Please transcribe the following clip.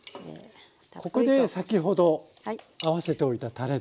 ここで先ほど合わせておいたたれですね。